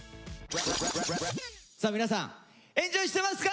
皆さんエンジョイしてますか！